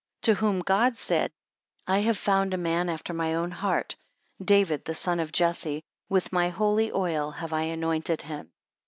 To whom God said, I have found a man after my own heart, David the son of Jesse, with my holy oil have I anointed him.